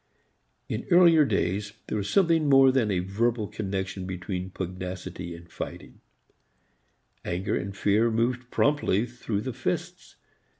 In earlier days there was something more than a verbal connection between pugnacity and fighting; anger and fear moved promptly through the fists.